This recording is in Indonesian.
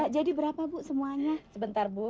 jadi berapa bu semuanya sebentar bu